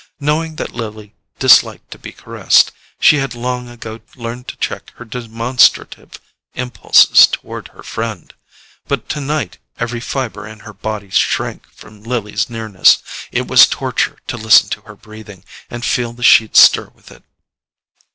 Knowing that Lily disliked to be caressed, she had long ago learned to check her demonstrative impulses toward her friend. But tonight every fibre in her body shrank from Lily's nearness: it was torture to listen to her breathing, and feel the sheet stir with it.